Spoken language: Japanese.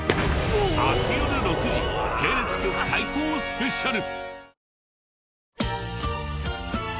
明日よる６時系列局対抗スペシャル。